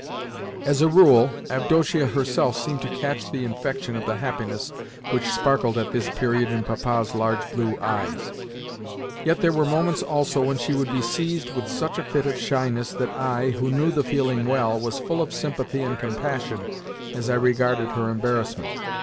As a rule, Avdotia herself seemed to catch the infection of the happiness which sparkled at this period in Papa's large blue eyes; yet there were moments also when she would be seized with such a fit of shyness that I, who knew the feeling well, was full of sympathy and compassion as I regarded her embarrassment.